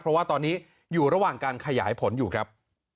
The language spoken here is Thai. เพราะว่าตอนนี้อยู่ระหว่างการขยายผลอยู่ครับ